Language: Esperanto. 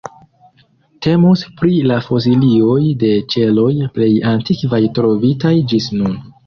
Temus pri la fosilioj de ĉeloj plej antikvaj trovitaj ĝis nun.